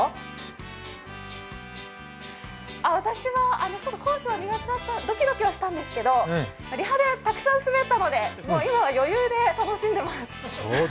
私は高所は苦手でドキドキしてたんですけどリハでたくさん滑ったので、今は余裕で楽しんでます。